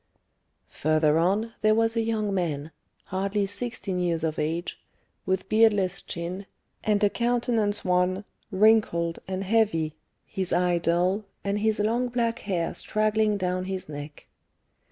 Further on there was a young man, hardly sixteen years of age, with beardless chin, and a countenance wan, wrinkled, and heavy, his eye dull, and his long black hair straggling down his neck.